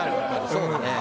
そうだね。